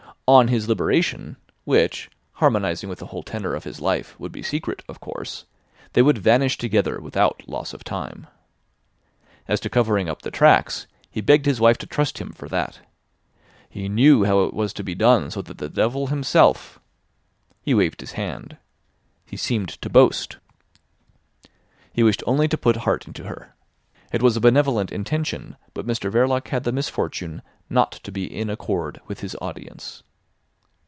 On his liberation, which, harmonising with the whole tenor of his life, would be secret, of course, they would vanish together without loss of time. As to covering up the tracks, he begged his wife to trust him for that. He knew how it was to be done so that the devil himself— He waved his hand. He seemed to boast. He wished only to put heart into her. It was a benevolent intention, but Mr Verloc had the misfortune not to be in accord with his audience.